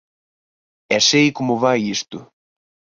E sei como vai isto.